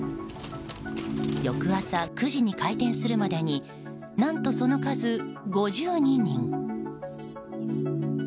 翌朝９時に開店するまでに何とその数、５２人。